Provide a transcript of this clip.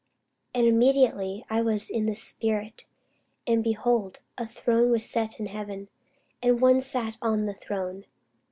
And immediately I was in the spirit: and, behold, a throne was set in heaven, and one sat on the throne.